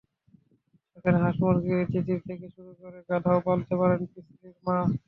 সেখানে হাঁস, মুরগি, তিতির থেকে শুরু করে গাধাও পালতে পারতেন প্রিসলির মা।